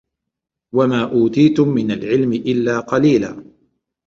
وَمَا أُوتِيتُمْ مِنْ الْعِلْمِ إلَّا قَلِيلًا